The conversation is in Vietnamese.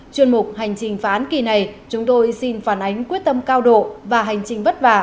chuyên mục hành trình phá án kỳ này chúng tôi xin phản ánh quyết tâm cao độ và hành trình vất vả